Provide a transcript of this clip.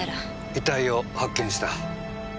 遺体を発見した。